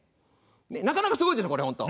なかなかすごいでしょうこれ本当。